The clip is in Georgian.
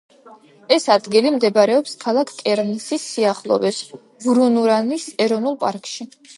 ეს ადგილი მდებარეობს ქალაქ კერნსის სიახლოვეს, ვურუნურანის ეროვნული პარკში.